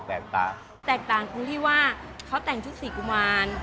แตกต่างตรงที่ว่าเขาแต่งชุดสี่กุมาร